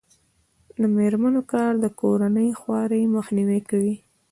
د میرمنو کار د کورنۍ خوارۍ مخنیوی کوي.